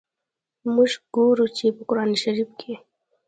موږ ګورو چي، په قرآن شریف کي.